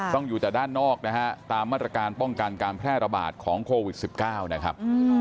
อยู่แต่ด้านนอกนะฮะตามมาตรการป้องกันการแพร่ระบาดของโควิด๑๙นะครับ